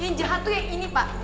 yang jahat tuh ya ini pak